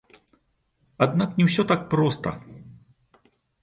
Аднак не ўсё так проста!